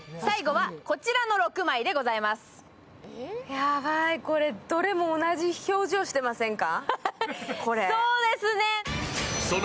ヤバい、これ、どれも同じ表情してませんか？